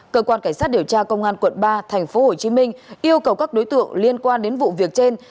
cơ quan cảnh sát điều tra công an quận ba tp hcm yêu cầu các đối tượng liên quan đến vụ việc trên